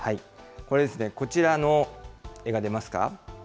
これですね、こちら、絵が出ますか。